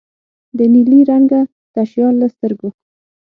د نیلي رنګه تشیال له سترګو